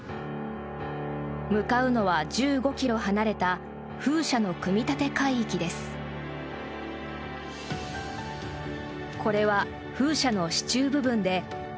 向かうのは１５ｋｍ離れた風車の組み立て海域です。